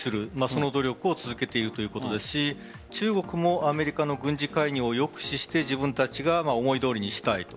その努力を続けているということですし中国もアメリカの軍事介入を抑止して自分たちが思いどおりにしたい。